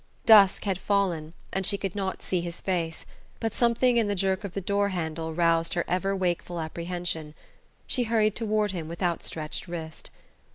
Dusk had fallen, and she could not see his face; but something in the jerk of the door handle roused her ever wakeful apprehension. She hurried toward him with outstretched wrist.